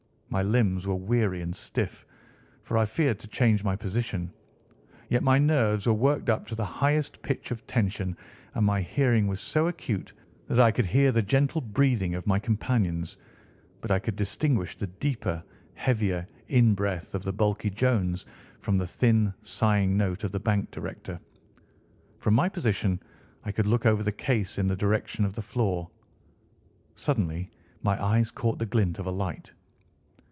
My limbs were weary and stiff, for I feared to change my position; yet my nerves were worked up to the highest pitch of tension, and my hearing was so acute that I could not only hear the gentle breathing of my companions, but I could distinguish the deeper, heavier in breath of the bulky Jones from the thin, sighing note of the bank director. From my position I could look over the case in the direction of the floor. Suddenly my eyes caught the glint of a light.